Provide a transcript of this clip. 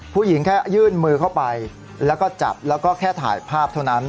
แค่ยื่นมือเข้าไปแล้วก็จับแล้วก็แค่ถ่ายภาพเท่านั้น